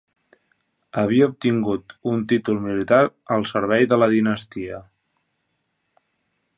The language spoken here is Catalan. Havia obtingut un títol militar al servei de la dinastia.